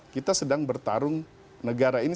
kita sedang bertarung negara ini